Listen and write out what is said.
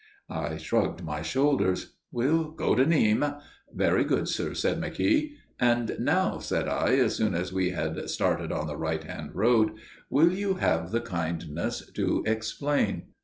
I shrugged my shoulders. "We'll go to Nîmes." "Very good, sir," said McKeogh. "And now," said I, as soon as we had started on the right hand road, "will you have the kindness to explain?"